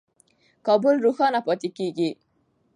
کابل روښانه پاتې کېږي.